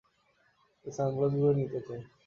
এই সানগ্লাসগুলো নিতে চাই।